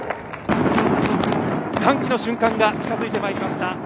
歓喜の瞬間が近づいてきました。